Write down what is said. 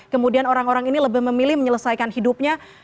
kemudian orang orang ini lebih memilih menyelesaikan hidupnya